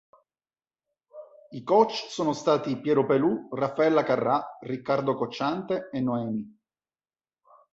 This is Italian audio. I coach sono stati Piero Pelù, Raffaella Carrà, Riccardo Cocciante e Noemi.